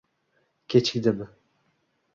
Kechikdim.